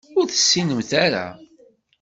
Ur tessinemt ara.